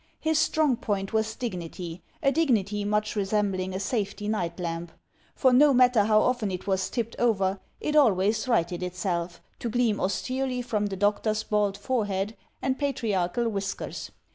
His strong point was dignity, a dignity much resem bling a safety night lamp; for no matter how often it was tipped over, it always righted itself, to gleam austerely from, the doctor's bald forehead and patriarchal whiskers.